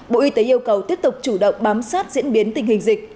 bộ y tế yêu cầu tiếp tục chủ động bám sát diễn biến tình hình dịch